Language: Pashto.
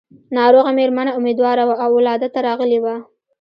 ناروغه مېرمنه اميدواره وه او ولادت ته راغلې وه.